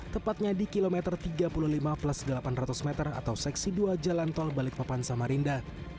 tepatnya di kilometer tiga puluh lima plus delapan ratus meter atau seksi dua jalan tol balikpapan samarinda